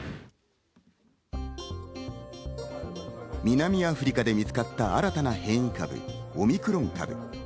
南アフリカで見つかった新たな変異株、オミクロン株。